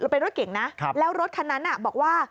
เป็นรถเก่งนะแล้วรถคันนั้นบอกว่า